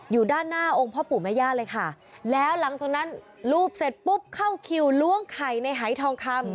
อยู่ด้านหน้าองค์พ่อปู่แม่ย่าเลยค่ะแล้วหลังจากนั้นรูปเสร็จปุ๊บเข้าคิวล้วงไข่ในหายทองคำ